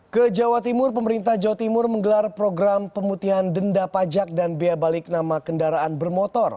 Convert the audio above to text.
ke jawa timur pemerintah jawa timur menggelar program pemutihan denda pajak dan bea balik nama kendaraan bermotor